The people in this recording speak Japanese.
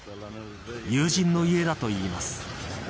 友人の家だといいます。